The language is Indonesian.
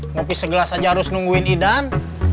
ngopi segelas aja harus nungguin idan